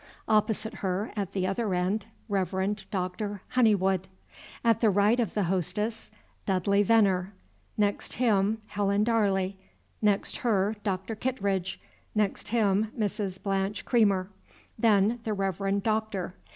Opposite her, at the other end, Rev. Dr. Honeywood. At the right of the Hostess, Dudley Veneer, next him Helen Darley, next her Dr. Kittredge, next him Mrs. Blanche Creamer, then the Reverend Doctor.